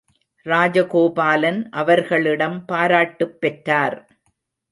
ராஜகோபாலன் அவர்களிடம் பாராட்டுப் பெற்றார்.